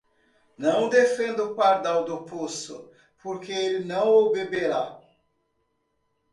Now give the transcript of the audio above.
Não defenda o pardal do poço, porque ele não o beberá!